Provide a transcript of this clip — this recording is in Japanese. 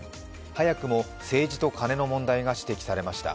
早くも政治とカネの問題が指摘されました。